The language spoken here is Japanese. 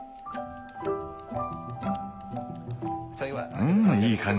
うんいい感じ。